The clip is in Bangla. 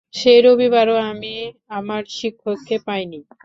সেই রবিবারও আমি আমার শিক্ষককে পাইনি।